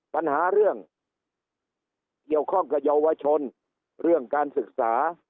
ปัญหาเรื่องเกี่ยวข้องกับเยาวชนเรื่องการศึกษา